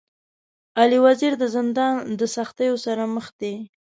علي وزير د زندان د سختو سره مخ دی.